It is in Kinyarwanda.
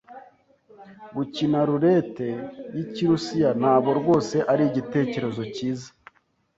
Gukina roulette yikirusiya ntabwo rwose ari igitekerezo cyiza.